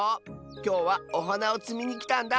きょうはおはなをつみにきたんだ。